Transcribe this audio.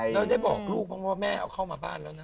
แล้วได้บอกลูกบ้างว่าแม่เอาเข้ามาบ้านแล้วนะ